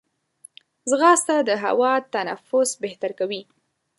ځغاسته د هوا تنفس بهتر کوي